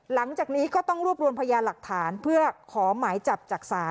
หลังจากนี้ก็ต้องรวบรวมพยานหลักฐานเพื่อขอหมายจับจากศาล